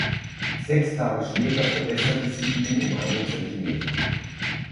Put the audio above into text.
Sechs Tage später verbesserte sie ihn um einen Zentimeter.